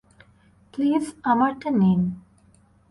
Please, আমারটা নিন।